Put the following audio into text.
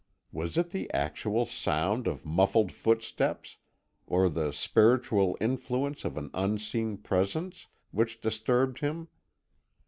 Was it the actual sound of muffled footsteps, or the spiritual influence of an unseen presence, which disturbed him?